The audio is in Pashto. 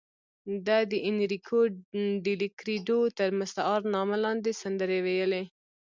ده د اینریکو ډیلکریډو تر مستعار نامه لاندې سندرې ویلې.